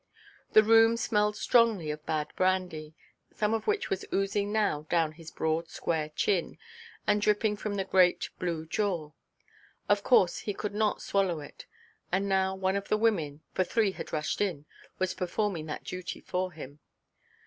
The room smelled strongly of bad brandy, some of which was oozing now down his broad square chin, and dripping from the great blue jaw. Of course he could not swallow it; and now one of the women (for three had rushed in) was performing that duty for him.